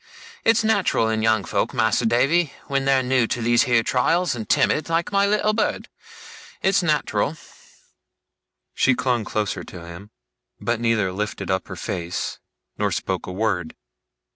It's nat'ral in young folk, Mas'r Davy, when they're new to these here trials, and timid, like my little bird, it's nat'ral.' She clung the closer to him, but neither lifted up her face, nor spoke a word.